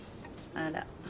あら。